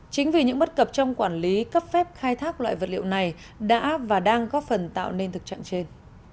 chính vì những bất cập trong quản lý cấp phép khai thác loại vật liệu này đã và đang góp phần tạo nên thực trạng trên